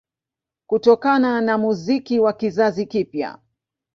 Kutokana na muziki wa kizazi kipya